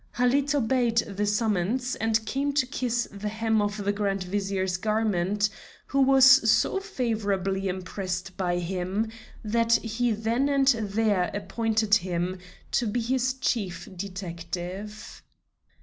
Halid obeyed the summons, and came to kiss the hem of the Grand Vizier's garment, who was so favorably impressed by him that he then and there appointed him to be his Chief Detective.